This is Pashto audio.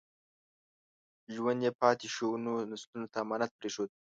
ژوند یې پاتې شونو نسلونو ته امانت پرېښود.